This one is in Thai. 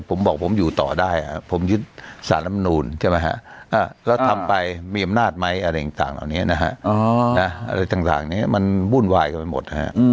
ผมบอกผมอยู่ต่อได้ผมยึดศาลน้ำนูนแล้วทำไปมีอำนาจไหมอะไรต่างเหล่านี้มันวุ่นวายกันไปหมด